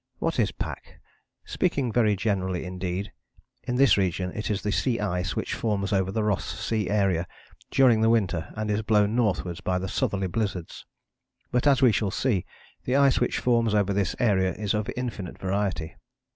What is pack? Speaking very generally indeed, in this region it is the sea ice which forms over the Ross Sea area during the winter, and is blown northwards by the southerly blizzards. But as we shall see, the ice which forms over this area is of infinite variety.